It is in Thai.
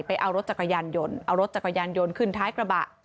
ไปเอารถจักรยานยนต์เอารถจักรยานยนต์ขึ้นท้ายกระบะ